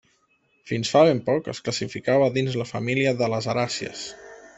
Fins fa ben poc es classificava dins la família de les aràcies.